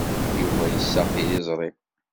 Yuba yessaɣ tiliẓri.